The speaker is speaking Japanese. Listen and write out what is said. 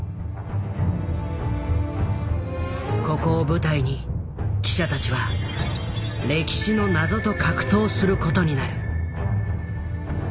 ここを舞台に記者たちは歴史の謎と格闘することになる。